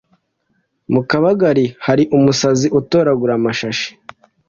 mu kabagari hari umusazi utoragura amashashi